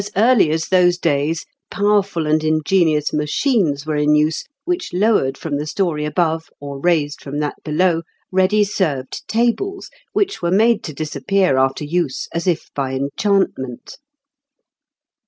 As early as those days, powerful and ingenious machines were in use, which lowered from the story above, or raised from that below, ready served tables, which were made to disappear after use as if by enchantment.